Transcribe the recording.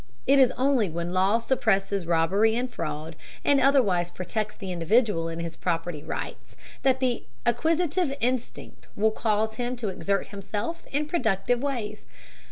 It is only when law suppresses robbery and fraud, and otherwise protects the individual in his property rights, that the acquisitive instinct will cause him to exert himself in productive ways.